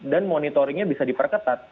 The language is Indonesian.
dan monitoringnya bisa diperketat